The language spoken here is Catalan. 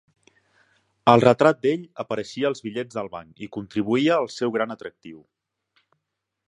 El retrat d'ell apareixia als bitllets del banc i contribuïa al seu gran atractiu.